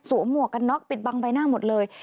หมวกกันน็อกปิดบังใบหน้าหมดเลย